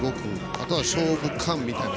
あとは勝負勘みたいな。